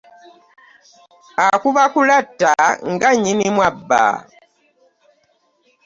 Akuba kulatta nga nnyinimu abba.